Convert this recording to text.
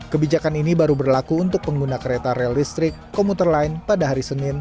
kebijakan ini baru berlaku untuk pengguna kereta rel listrik komuter lain pada hari senin